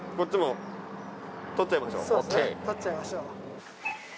取っちゃいましょう。